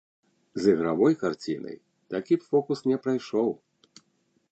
З ігравой карцінай такі б фокус не прайшоў.